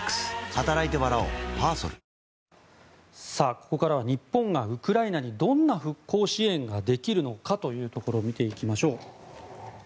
ここからは日本がウクライナにどんな復興支援ができるのかを見ていきましょう。